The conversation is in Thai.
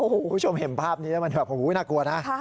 คุณผู้ชมเห็นภาพนี้แล้วมันแบบโอ้โหน่ากลัวนะ